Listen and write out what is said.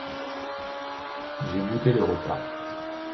J’ai boudé le repas.